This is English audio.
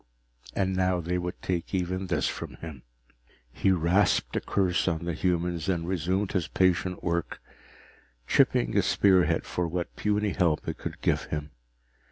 And now they would take even this from him! He rasped a curse on the human and resumed his patient work, chipping a spearhead for what puny help it could give him.